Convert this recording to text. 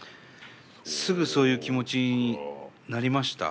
すぐそういう気持ちになりました？